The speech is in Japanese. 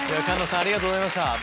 菅野さんありがとうございました。